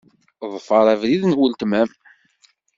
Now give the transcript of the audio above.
Ḍfeṛ abrid n weltma-m.